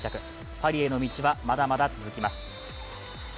パリへの道はまだまだ続きます。